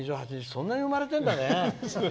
そんなに生まれてんだね。